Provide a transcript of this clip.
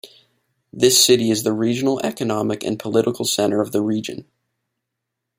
This city is the regional economic and political center of the region.